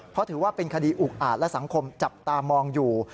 เพราะถือว่าเป็นคดีอุกอาจและสังคมจับตามองอยู่